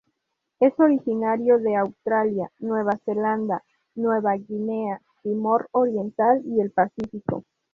Es originario de Australia, Nueva Zelanda, Nueva Guinea, Timor Oriental y el Pacífico.